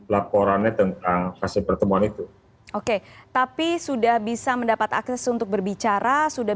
laporannya tentang hasil pertemuan itu oke tapi sudah bisa mendapat akses untuk berbicara sudah